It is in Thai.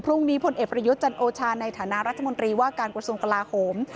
พรุ่งนี้พลเอกประยุทธจันโอชาในฐานะรัชมนตรีว่าการกวสูงกลาโฮม